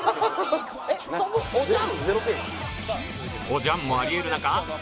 おじゃんもあり得る中